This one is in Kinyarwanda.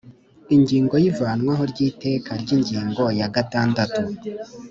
Ingingo ya Ivanwaho ry iteka ry ingingo ya gatandatu